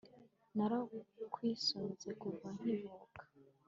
narakwisunze kuva nkivuka